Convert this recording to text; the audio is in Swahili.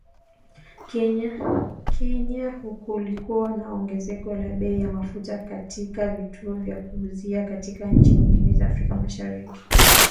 Kenya kulikuwa na ongezeko la bei ya mafuta katika vituo vya kuuzia katika nchi nyingine za Afrika Mashariki